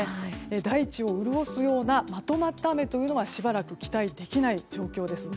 大地を潤すようなまとまった雨はしばらく期待できない状況です。